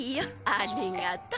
ありがとう。